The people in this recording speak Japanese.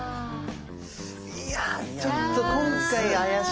いやちょっと今回怪しいな。